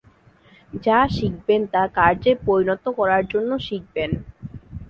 যা শিখবেন তা কার্যে পরিণত করার জন্য শিখবেন।